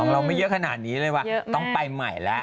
เราไม่เยอะขนาดนี้เลยว่าต้องไปใหม่แล้ว